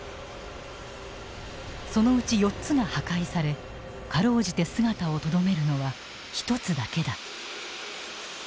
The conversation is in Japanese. そのうち４つが破壊され辛うじて姿をとどめるのは一つだけだ。